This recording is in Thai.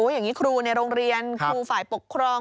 อย่างนี้ครูในโรงเรียนครูฝ่ายปกครอง